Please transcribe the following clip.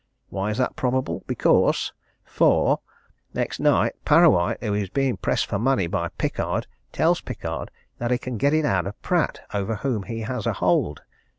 Why is that probable? Because "4. Next night Parrawhite, who is being pressed for money by Pickard, tells Pickard that he can get it out of Pratt, over whom he has a hold.